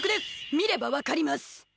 見れば分かります。